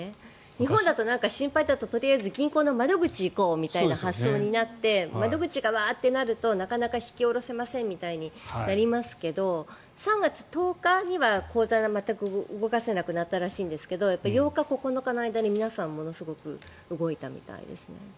日本だと心配だと、とりあえず銀行の窓口に行こうっていう発想になって窓口がわーってなるとなかなか引き下ろせませんみたいになりますが３月１０日には口座が全く動かせなくなったらしいんですが８日、９日の間に皆さんものすごく動いたみたいですね。